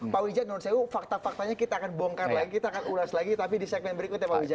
pak widja menurut saya fakta faktanya kita akan bongkar lagi kita akan ulas lagi tapi di segmen berikut ya pak widja